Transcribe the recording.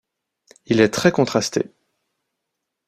Il est très contrasté.